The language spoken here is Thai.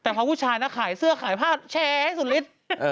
แต่พาวูชายนะขายเสื้อข่าวให้พ่าแชร์สุฤษ